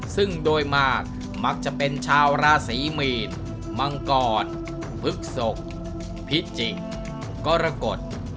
ซึ่งโดยมากมักจะเป็นชาวราศีมีนมังกรพฤกษกพิจิกกรกฎ